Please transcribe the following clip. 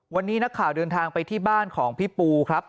วันนี้นักข่าวเดินทางไปที่บ้านของพี่ปูครับ